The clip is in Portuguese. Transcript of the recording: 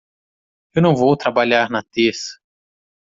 Eu não vou trabalhar na terça.